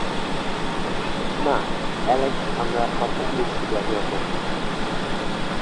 না, অ্যালেক আমরা কথা দিয়েছি একে-অপরকে।